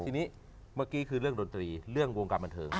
ทีนี้เมื่อกี้คือเรื่องดนตรีเรื่องวงการบันเทิง